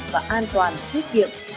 và an toàn thiết kiệm